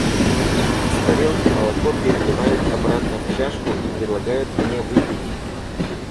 Из тарелки молоко переливают обратно в чашку и предлагают мне выпить.